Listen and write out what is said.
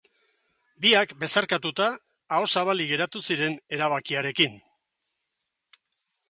Biak, besarkatuta, aho zabalik geratu ziren erabakiarekin.